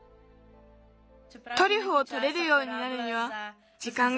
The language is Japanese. トリュフをとれるようになるにはじかんがかかる。